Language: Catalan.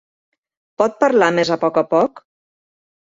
Pot parlar més a poc a poc?